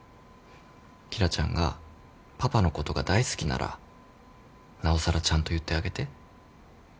紀來ちゃんがパパのことが大好きならなおさらちゃんと言ってあげて。